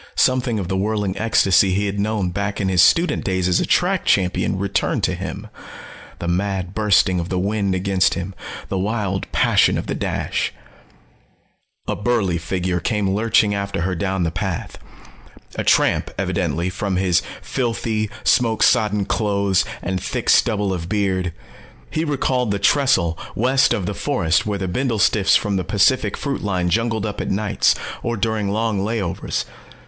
Something of the whirling ecstasy he had known back in his student days as a track champion returned to him the mad bursting of the wind against him, the wild passion of the dash. A burly figure came lurching after her down the path. A tramp, evidently, from his filthy, smoke sodden clothes and thick stubble of beard. He recalled the trestle west of the forest where the bindlestiffs from the Pacific Fruit line jungled up at nights, or during long layovers.